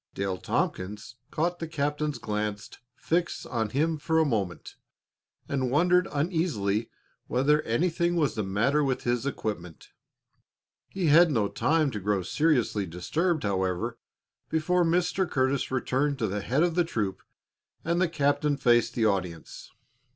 Dale Tompkins caught the captain's glance fixed on him for a moment, and wondered uneasily whether anything was the matter with his equipment. He had no time to grow seriously disturbed, however, before Mr. Curtis returned to the head of the troop and the captain faced the audience.